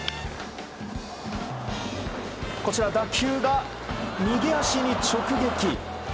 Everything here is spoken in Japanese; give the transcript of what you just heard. こちら打球が右足に直撃。